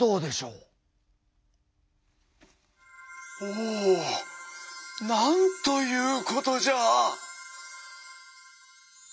「おおなんということじゃ！」。